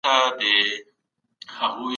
دا وسايل په سمه توګه و نه کارول سول.